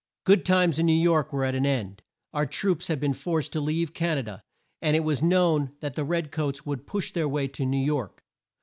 Good times in New York were at an end. Our troops had been forced to leave Can a da, and it was known that the red coats would push their way to New York.